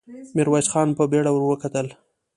ميرويس خان په بېړه ور وکتل.